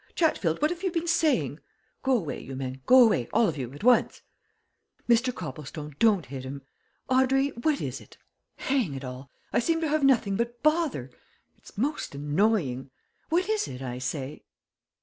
"Chatfield, what have you been saying? Go away, you men go away, all of you, at once. Mr. Copplestone, don't hit him. Audrey, what is it? Hang it all! I seem to have nothing but bother it's most annoying. What is it, I say?"